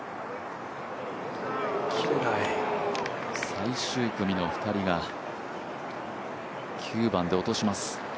最終組の２人が９番で落とします。